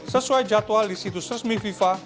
sesuai jadwal di situs resmi fifa